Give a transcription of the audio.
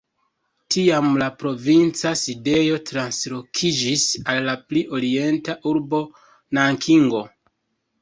Tiam la provinca sidejo translokiĝis al la pli orienta urbo Nankingo.